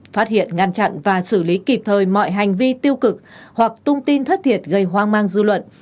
phát hiện ngăn chặn và xử lý kịp thời mọi hành vi tiêu cực hoặc tung tin thất thiệt gây hoang mang dư luận